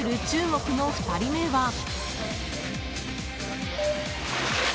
中国の２人目は。